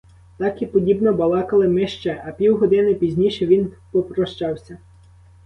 Так і подібно балакали ми ще, а півгодини пізніше він попрощався.